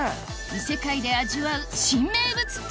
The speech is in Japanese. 異世界で味わう新名物とは？